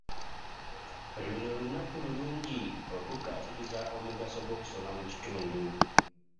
Luno lunaku lulungi okukkaatiriza omugaso gw'okusoma mu kitundu.